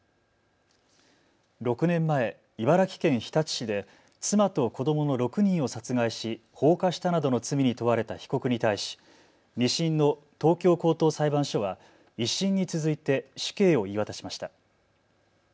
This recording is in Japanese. ６年前、茨城県日立市で妻と子どもの６人を殺害し放火したなどの罪に問われた被告に対し２審の東京高等裁判所は１審に続いて死刑を言い渡しました。